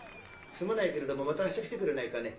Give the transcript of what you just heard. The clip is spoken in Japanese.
すまないけれどもまた明日来てくれないかね？